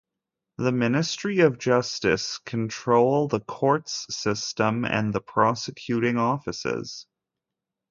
The Ministry of Justice control the courts system and the prosecuting offices.